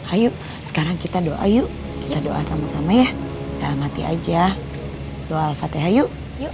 ayo sekarang kita doa yuk kita doa sama sama ya kita amati aja doa al fatihah yuk